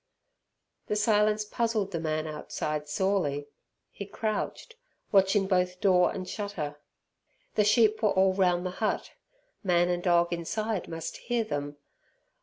The silence puzzled the man outside sorely; he crouched, watching both door and shutter. The sheep were all round the hut. Man and dog inside must hear them.